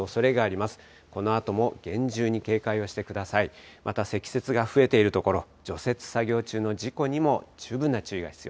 また積雪が増えている所、除雪作業中の事故にも十分な注意が必要